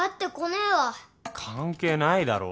関係ないだろ。